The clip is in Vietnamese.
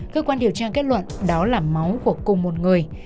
cơ quan điều tra kết luận đó là máu của cùng một người